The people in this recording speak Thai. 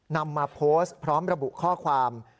นำมาโพสต์พร้อมระบุข้อความ